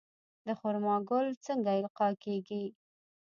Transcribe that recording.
د خرما ګل څنګه القاح کیږي؟